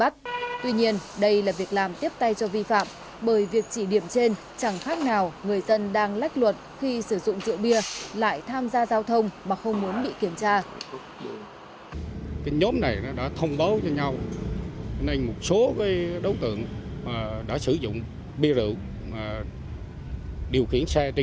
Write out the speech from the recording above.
tuy nhiên đây là việc làm tiếp tay cho vi phạm bởi việc trị điểm trên chẳng khác nào người dân đang lách luật khi sử dụng rượu bia lại tham gia giao thông mà không muốn bị kiểm tra